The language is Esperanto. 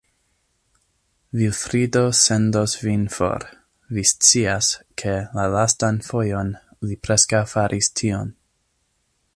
Vilfrido sendos vin for; vi scias, ke, la lastan fojon, li preskaŭ faris tion.